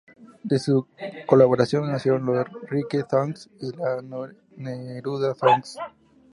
De su colaboración nacieron las "Rilke Songs" y las "Neruda Songs".